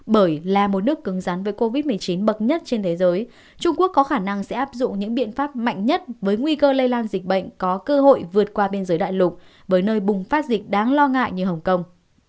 bởi là một nước cứng rắn với covid một mươi chín bậc nhất trên thế giới trung quốc có khả năng sẽ áp dụng những biện pháp mạnh nhất với nguy cơ lây lan dịch bệnh có cơ hội vượt qua biên giới đại lục với nơi bùng phát dịch đáng lo ngại như hồng kông